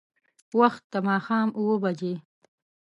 وخت د ماښام اوبه بجې.